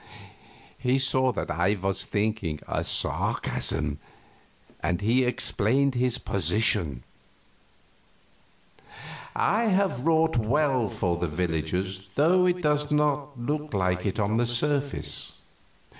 He saw that I was thinking a sarcasm, and he explained his position. "I have wrought well for the villagers, though it does not look like it on the surface.